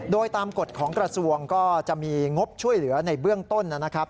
โดยตามกฎของกระทรวงก็จะมีงบช่วยเหลือในเบื้องต้นนะครับ